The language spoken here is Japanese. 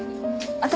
私